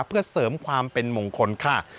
เพื่อเสริมความเป็นมงคลค่ะ